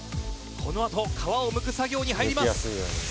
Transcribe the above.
「このあと皮をむく作業に入ります」